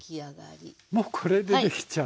もうこれでできちゃう。